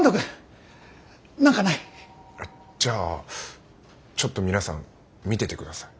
じゃあちょっと皆さん見てて下さい。